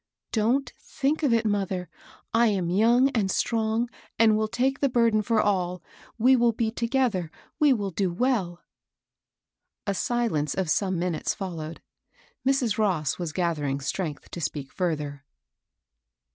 Don't think of it, mother. I am young and strong, and will take the burden for all. We will be together; we will do well." A silence of some minutes followed. Mrs. Ross was gathering strength to speak further.